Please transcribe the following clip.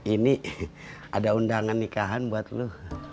ini ada undangan nikahan buat lo